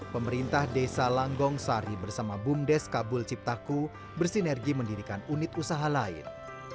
pemerintah desa langgong sari bersama bumdes kabul ciptaku bersinergi mendirikan unit usaha lain